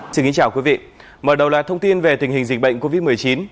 xin kính chào quý vị mở đầu là thông tin về tình hình dịch bệnh covid một mươi chín